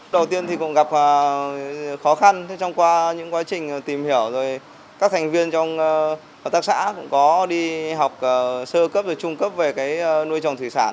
đầu tiên thì cũng gặp khó khăn trong qua những quá trình tìm hiểu rồi các thành viên trong hợp tác xã cũng có đi học sơ cấp và trung cấp về nuôi trồng thủy sản